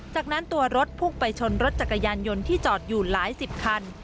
จากนั้นตัวรถพุ่งไปชนรถจักรยานยนต์ที่จอดอยู่หลายสิบคัน